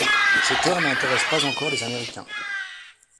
Ces terres n'intéressent pas encore les américains.